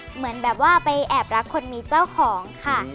เหมือนแบบว่าไปแอบรักคนมีเจ้าของค่ะ